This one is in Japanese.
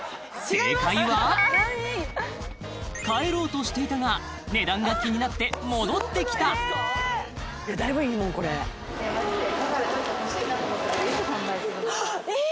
正解は帰ろうとしていたが値段が気になって戻ってきたえ